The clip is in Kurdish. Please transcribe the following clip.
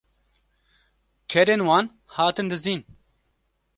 kerên wan hatin dizîn